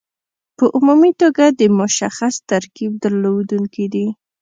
په عمومي توګه د مشخص ترکیب درلودونکي دي.